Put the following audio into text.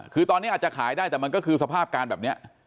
คือตอนนี้อาจจะขายได้แต่มันก็คือสภาพการณ์แบบนี้